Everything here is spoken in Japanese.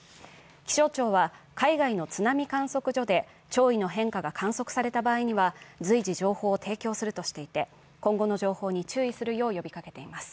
気象庁は、海外の津波観測所で潮位の変化が観測された場合には随時情報を提供するとしていて今後の情報に注意するよう呼びかけています。